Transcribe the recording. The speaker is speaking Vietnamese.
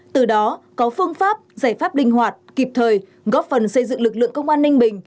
từ đó có phương pháp giải pháp linh hoạt kịp thời góp phần xây dựng lực lượng công an ninh bình